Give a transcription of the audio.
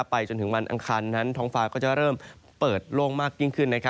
ไปจนถึงวันอังคารนั้นท้องฟ้าก็จะเริ่มเปิดโล่งมากยิ่งขึ้น